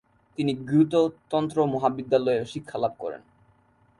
তিনি গ্যুতো তন্ত্র মহাবিদ্যালয়ে শিক্ষালাভ করেন।